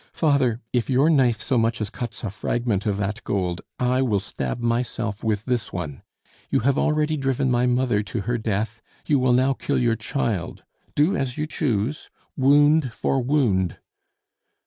"Father, if your knife so much as cuts a fragment of that gold, I will stab myself with this one! You have already driven my mother to her death; you will now kill your child! Do as you choose! Wound for wound!"